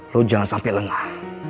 lo jangan sampe lengah